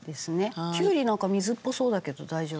きゅうりなんか水っぽそうだけど大丈夫？